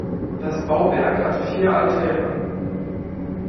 Das Bauwerk hatte vier Altäre.